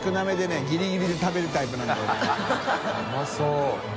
うまそう。